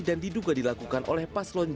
dan diduga dilakukan oleh paslonnya